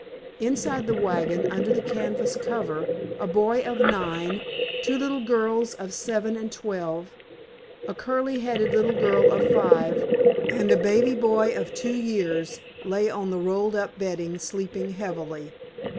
Inside the wagon under the canvas cover a boy of nine, two little girls of seven and twelve, a curly headed little girl of five, and a baby boy of two years, lay on the rolled up bedding sleeping heavily.